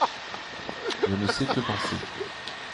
Je ne sais que penser.